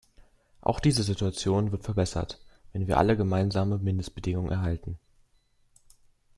Auch diese Situation wird verbessert, wenn wir alle gemeinsame Mindestbedingungen erhalten.